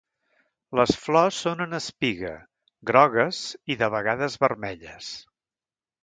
Les flors són en espiga, grogues i de vegades vermelles.